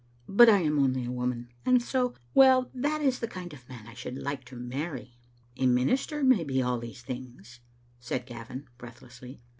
But I am only a woman, and so — well, that is the kind of man I should like to marry." "A minister may be all these things," said Gavin, breathlessly.